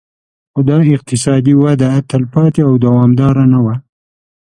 خو دا اقتصادي وده تلپاتې او دوامداره نه وه